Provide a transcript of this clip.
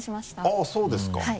あっそうですか。